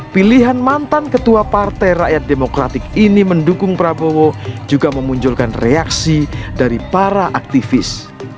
pilihan mantan ketua partai rakyat demokratik ini mendukung prabowo juga memunculkan reaksi dari para aktivis